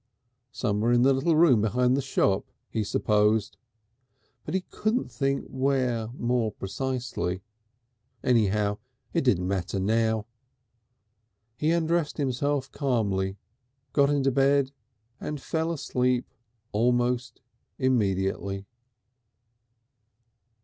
Somewhere in the little room behind the shop, he supposed, but he could not think where more precisely. Anyhow it didn't matter now. He undressed himself calmly, got into bed, and fell asleep almost immediately.